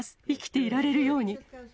生きていられるように。